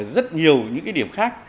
rất nhiều những cái điểm khác